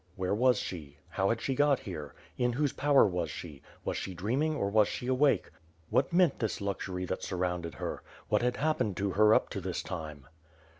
"Where was she? How had she got here? In whose power was she? Was she dream ing or was she awake? What meant this luxury that sur rounded her? What had happened to her up to this time?''